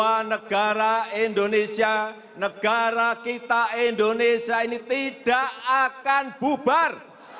bahwa negara indonesia negara kita indonesia ini tidak akan bubar